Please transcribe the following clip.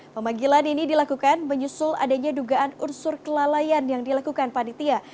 pemanggilan ini dilakukan menyusul adanya dugaan unsur kelalaian yang dilakukan panitia